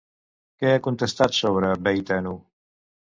Què ha contestat sobre Beitenu?